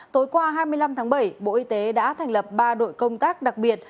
tối qua hai mươi năm tháng bảy bộ y tế đã thành lập ba đội công tác đặc biệt